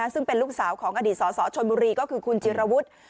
ซึ่งเป็นลูกสาวของอดีตสสชนบุรีก็คือคุณจิรวุฒิ